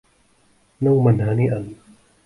نوما هنيئا.